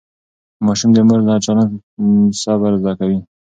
ماشوم د مور له چلند صبر زده کوي.